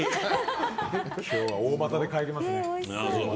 今日は大股で帰りますね。